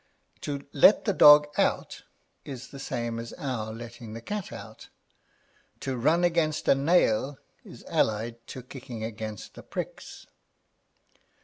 To let the dog out is the same as our letting the cat out; to run against a nail is allied to kicking against the pricks.